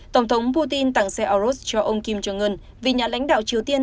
tổng thống putin tặng xe arus cho ông kim jong un vì nhà lãnh đạo triều tiên